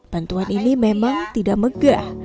bantuan ini memang tidak megah